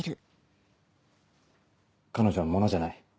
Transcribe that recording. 彼女は物じゃない。